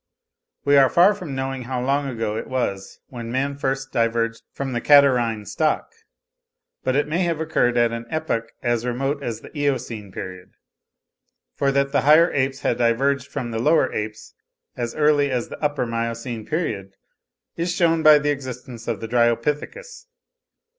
We are far from knowing how long ago it was when man first diverged from the Catarrhine stock; but it may have occurred at an epoch as remote as the Eocene period; for that the higher apes had diverged from the lower apes as early as the Upper Miocene period is shewn by the existence of the Dryopithecus.